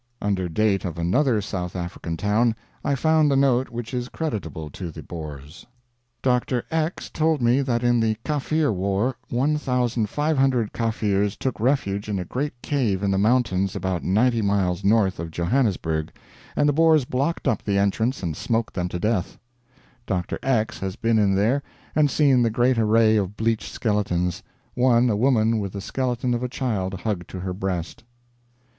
Under date of another South African town I find the note which is creditable to the Boers: "Dr. X. told me that in the Kafir war 1,500 Kafirs took refuge in a great cave in the mountains about 90 miles north of Johannesburg, and the Boers blocked up the entrance and smoked them to death. Dr. X. has been in there and seen the great array of bleached skeletons one a woman with the skeleton of a child hugged to her breast."